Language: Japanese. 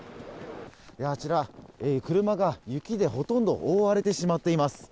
あちら車が雪でほとんど覆われてしまっています。